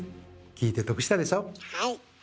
はい！